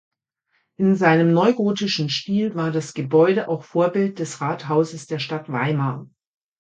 In seinem neugotischen Stil war das Gebäude auch Vorbild des Rathauses der Stadt Weimar.